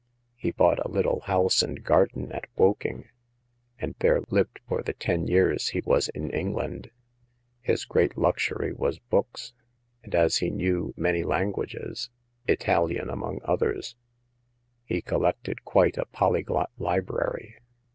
He bought a little house and garden at Woking, and there lived for the ten years he was in England. His great luxury was books, and as he knew many lan guages—Italian among others — he collected quite a polyglot library."